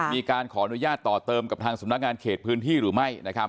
มีการขออนุญาตต่อเติมกับทางสำนักงานเขตพื้นที่หรือไม่นะครับ